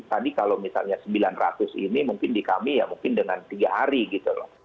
tadi kalau misalnya sembilan ratus ini mungkin di kami ya mungkin dengan tiga hari gitu loh